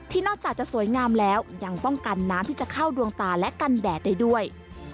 นอกจากจะสวยงามแล้วยังป้องกันน้ำที่จะเข้าดวงตาและกันแดดได้ด้วย